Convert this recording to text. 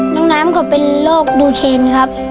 น้องน้ำก็เป็นโรคดูเชนครับ